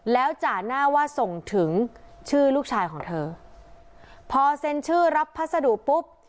แล้วจ่าหน้าว่าส่งถึงชื่อลูกชายของเธอพอเซ็นชื่อรับพัสดุปุ๊บ